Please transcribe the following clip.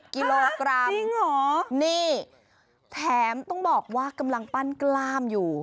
กิโลกรัมนี่แถมต้องบอกว่ากำลังปั้นกล้ามอยู่